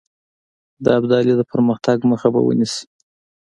د ابدالي د پرمختګ مخه به ونیسي.